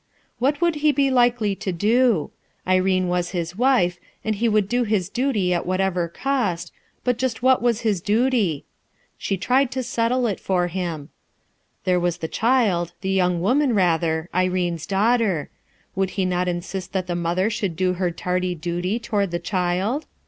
What would he be likely to do? Irene was his wife, and he would do his duty at whatever BUILT ON THE SAND 227 cost, but just what was his duty? She tried to settle it for him. There was the child, the yotmg woniau rather, Irene's daughter. Would he not insist that the mother should do her tardy duty toward the child